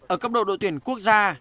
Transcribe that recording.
ở cấp độ đội tuyển quốc gia